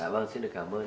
vâng xin được cảm ơn